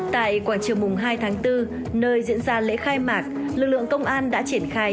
tại quảng trường mùng hai tháng bốn nơi diễn ra lễ khai mạc lực lượng công an đã triển khai